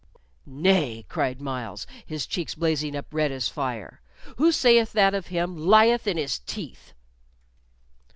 "Nay," cried Myles, his cheeks blazing up as red as fire; "who sayeth that of him lieth in his teeth."